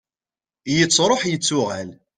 yettruḥ yettuɣal